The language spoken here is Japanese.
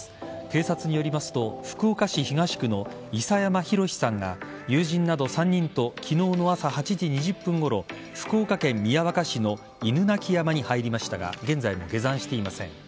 警察によりますと福岡市東区の諫山洋さんが友人など３人と昨日の朝８時２０分ごろ福岡県宮若市の犬鳴山に入りましたが現在も下山していません。